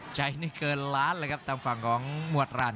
ใช้นี่เกินล้านเลยครับทางฝั่งของหมวดรัน